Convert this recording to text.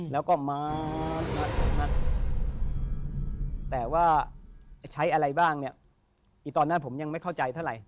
แล้วก็มาแต่ว่าใช้อะไรบ้างเนี่ยตอนนั้นผมยังไม่เข้าใจเท่าไหร